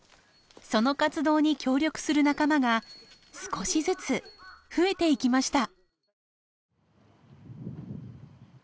その活動に協力する仲間が少しずつ増えていきました。